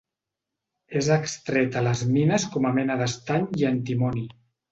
És extreta a les mines com a mena d'estany i antimoni.